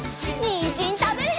にんじんたべるよ！